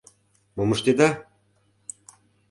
— Мом ыштеда?